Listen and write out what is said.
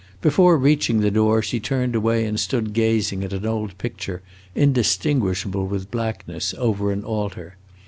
Before reaching the door she turned away and stood gazing at an old picture, indistinguishable with blackness, over an altar.